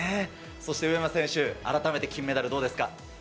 そして宇山選手、改めて金メダル、どうですか。